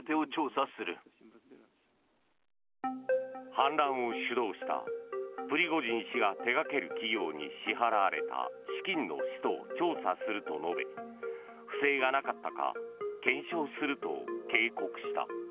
反乱を主導したプリゴジン氏が手掛ける企業に支払われた資金の使途を調査すると述べ不正がなかったか検証すると警告した。